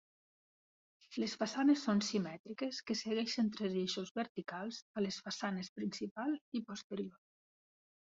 Les façanes són simètriques que segueixen tres eixos verticals a les façanes principal i posterior.